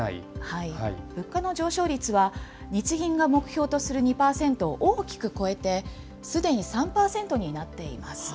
物価の上昇率は、日銀が目標とする２％を大きく超えて、すでに３％になっています。